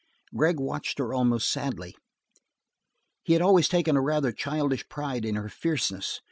Gregg watched her almost sadly. He had always taken a rather childish pride in her fierceness.